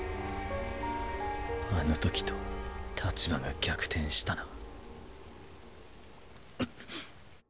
あのときと立場が逆転したな。